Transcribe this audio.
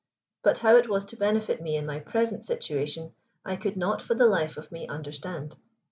But how it was to benefit me in my present situation I could not for the life of me understand.